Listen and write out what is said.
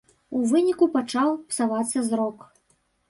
У выніку пачаў псавацца зрок.